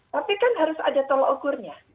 tapi kan harus ada tolok ukurnya